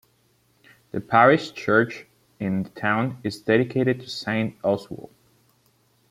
The parish church in the town is dedicated to Saint Oswald.